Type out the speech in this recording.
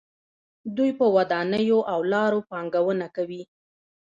دوی په ودانیو او لارو پانګونه کوي.